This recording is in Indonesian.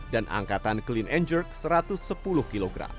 dan angkatan clean and jerk satu ratus sepuluh kilogram